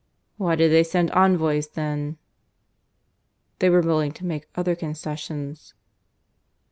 "Why did they send envoys then?" "They were willing to make other concessions."